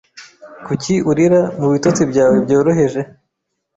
Kuki urira mu bitotsi byawe byoroheje